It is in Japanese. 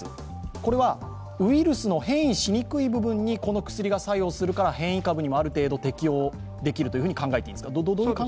これはウイルスの変異しにくい部分にこの薬が作用するから変異株にもある程度適用できると考えていいんですか？